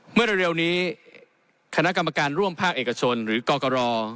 เมื่อเร็วนี้คณะกรรมการร่วมภาคเอกชนหรือกรกร